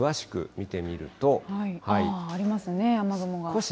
ありますね、雨雲が。